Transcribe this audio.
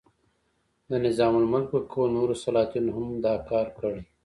د نظام الملک په قول نورو سلاطینو هم دا کار کړی.